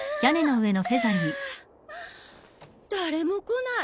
誰も来ない。